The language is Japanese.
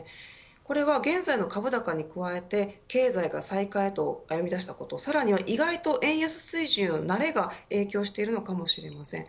これは現在の株高に加えて経済が再開へと歩み出したことさらに意外と円安水準への慣れが影響してるかもしれません。